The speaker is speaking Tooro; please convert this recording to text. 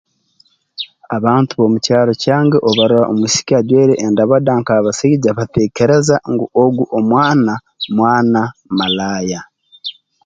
Abantu b'omu kyaro kyange obu barora omwisiki ajwaire endabada nk'abasaija bateekereza ngu ogu omwana mwana malaaya